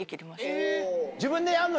自分でやんの？